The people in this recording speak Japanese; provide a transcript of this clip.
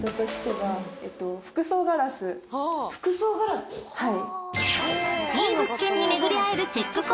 はい。